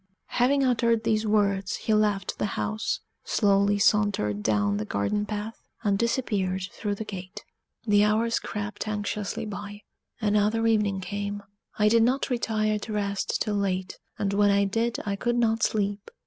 Having uttered these words, he left the house, slowly sauntered down the garden path, and disappeared through the gate. The hours crept anxiously by: another evening came. I did not retire to rest till late, and when I did I could not sleep.